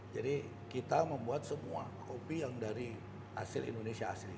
jadi kita membuat semua kopi yang dari asil indonesia asli